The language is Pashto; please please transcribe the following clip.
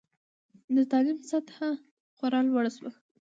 د تعلیم سطحه خورا لوړه شوه.